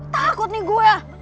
takut nih gua